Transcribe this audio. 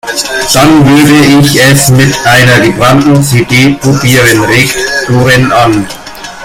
Dann würde ich es mit einer gebrannten CD probieren, regt Doreen an.